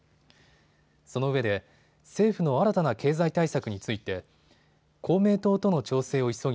そのうえで政府の新たな経済対策について公明党との調整を急ぎ